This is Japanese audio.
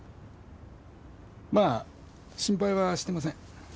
まあ心配はしてません。